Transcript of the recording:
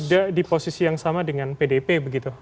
ada di posisi yang sama dengan pdp begitu